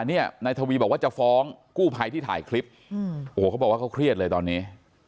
เนี่ยนายทวีบอกว่าจะฟ้องกู้ภัยที่ถ่ายคลิปโอ้โหเขาบอกว่าเขาเครียดเลยตอนนี้